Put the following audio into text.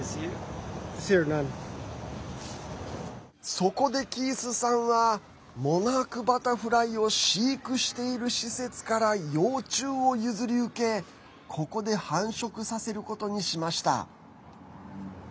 そこでキースさんはモナークバタフライを飼育している施設から幼虫を譲り受けここで繁殖させることにしました。